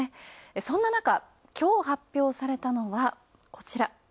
そんな中、きょう発表されたのは、こちら。